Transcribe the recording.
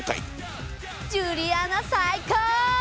ジュリアナ最高！